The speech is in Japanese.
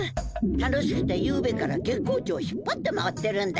楽しくてゆうべから月光町を引っぱって回ってるんだよ。